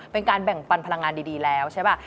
เป็นการแบ่งปันพลังงานดีแล้วใช่ป่ะ